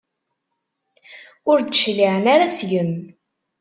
Ur d-cliɛen ara seg-m.